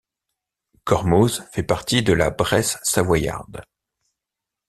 Cormoz fait partie de la Bresse savoyarde.